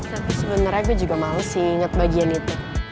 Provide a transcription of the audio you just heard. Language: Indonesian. tapi sebenernya gue juga mau sih ingat bagian itu